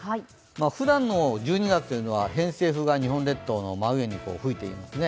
ふだんの１２月というのは偏西風が日本列島の真上に吹いています。